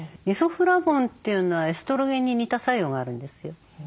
イソフラボンというのはエストロゲンに似た作用があるんですよ。